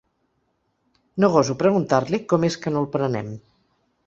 No goso preguntar-li com és que no el prenem.